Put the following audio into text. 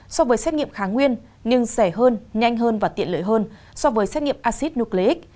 so với xét nghiệm kháng nguyên nhưng rẻ hơn nhanh hơn và tiện lợi hơn so với xét nghiệm acid nucleic